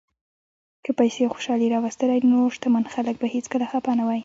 که پیسې خوشالي راوستلی، نو شتمن خلک به هیڅکله خپه نه وای.